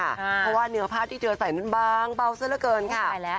เพราะว่าเนื้อผ้าที่เธอใส่นั้นบางเบาซะละเกินค่ะ